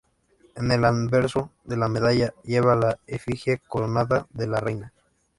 En el anverso de la medalla lleva la efigie coronada de la reina.